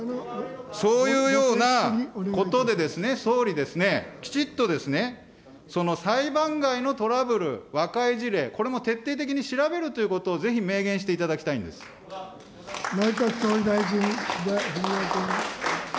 そういうようなことでですね、総理ですね、きちっと裁判外のトラブル、和解事例、これも徹底的に調べるということをぜひ明言していただ内閣総理大臣、岸田文雄君。